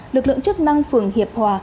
lực lượng chức năng phường hiệp hòa